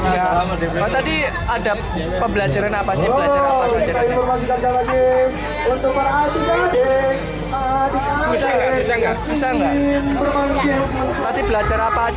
kalau belajar tentang rambu rambu lalu lintas